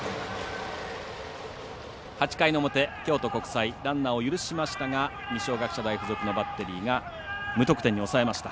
８回の表、京都国際ランナーを許しましたが二松学舎大付属のバッテリーが無得点に抑えました。